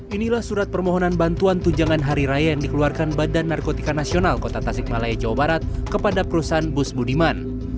inilah surat permohonan bantuan tunjangan hari raya yang dikeluarkan badan narkotika nasional kota tasik malaya jawa barat kepada perusahaan bus budiman